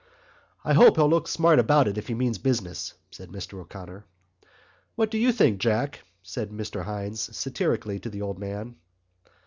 "I hope he'll look smart about it if he means business," said Mr O'Connor. "What do you think, Jack?" said Mr Hynes satirically to the old man.